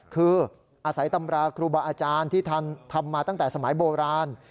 คืออาศัยตำราครูบาอาจารย์ที่ท่านทำมาตั้งแต่สมัยโบราณ